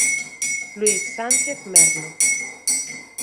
Luís Sánchez Merlo.